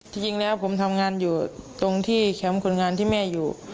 จริงแล้วผมทำงานอยู่ตรงที่แคมป์คนงานที่แม่อยู่